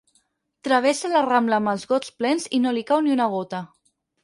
Travessa la Rambla amb els gots plens i no li cau ni una gota.